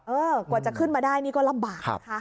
กว่าจะขึ้นมาได้นี่ก็ลำบากนะคะ